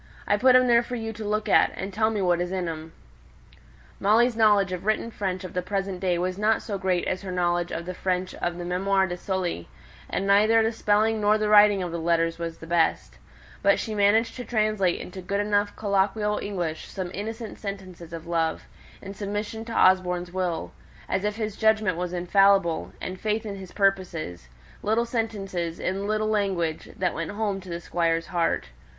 I put 'em there for you to look at; and tell me what is in 'em." Molly's knowledge of written French of the present day was not so great as her knowledge of the French of the MÄmoires de Sully, and neither the spelling nor the writing of the letters was of the best; but she managed to translate into good enough colloquial English some innocent sentences of love, and submission to Osborne's will as if his judgment was infallible, and of faith in his purposes, little sentences in "little language" that went home to the Squire's heart.